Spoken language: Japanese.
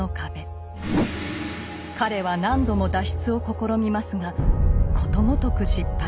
彼は何度も脱出を試みますがことごとく失敗。